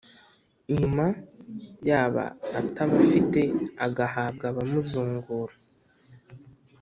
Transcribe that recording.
nyuma, yaba atabafite agahabwa abamuzungura.